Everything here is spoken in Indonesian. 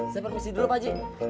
saya permisi dulu pak haji